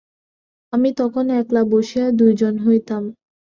আমি তখন একলা বসিয়া দুইজন হইতাম।